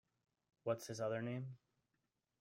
What’s his other name?